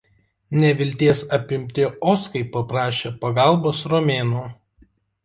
Nevilties apimti oskai paprašė pagalbos romėnų.